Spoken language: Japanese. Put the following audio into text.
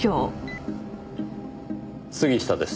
杉下です。